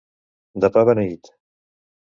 De pa beneit.